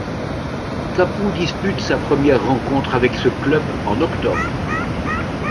Capoue dispute sa première rencontre avec ce club en octobre.